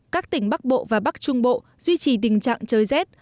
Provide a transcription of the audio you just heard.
các tỉnh bắc bộ và bắc trung bộ duy trì tình trạng trời rét